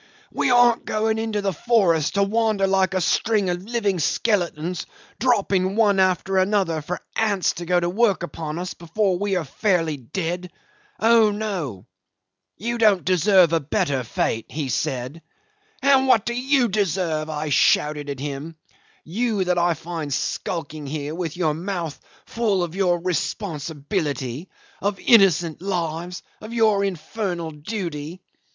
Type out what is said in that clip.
"We aren't going into the forest to wander like a string of living skeletons dropping one after another for ants to go to work upon us before we are fairly dead. Oh no! ... 'You don't deserve a better fate,' he said. 'And what do you deserve,' I shouted at him, 'you that I find skulking here with your mouth full of your responsibility, of innocent lives, of your infernal duty?